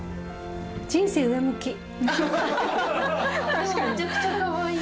確かにめちゃくちゃかわいい！